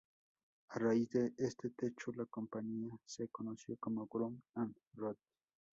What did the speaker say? A raíz de este hecho, la compañía se conoció como Brown and Root.